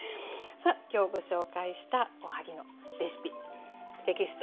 今日ご紹介したおはぎのレシピテキスト